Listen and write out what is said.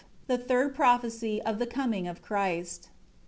The third prophecy of the coming of Christ.